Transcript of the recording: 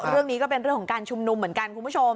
เรื่องนี้ก็เป็นเรื่องของการชุมนุมเหมือนกันคุณผู้ชม